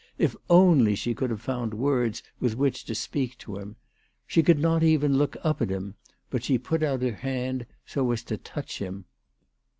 If only she could have found words with which to speak to him ! She could not even look up at him, but she put out her hand so as to touch him.